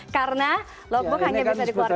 karena logbook hanya bisa dikeluarkan